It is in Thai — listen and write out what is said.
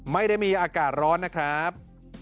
ไม่ได้มีอากาศร้อนนะครับ